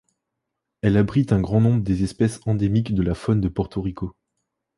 Elle abrite un grand nombre des espèces endémiques de la faune de Porto Rico.